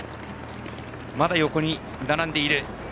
まだ横に並んでいる。